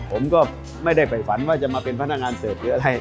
ผมก็ไม่ได้ไปฝันว่าจะมาเป็นพนักงานเสิร์ฟหรืออะไร